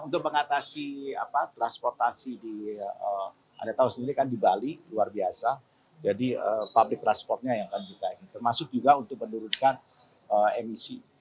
untuk mengatasi transportasi di bali luar biasa jadi publik transportnya yang akan kita inginkan termasuk juga untuk menurunkan emisi